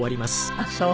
あっそう。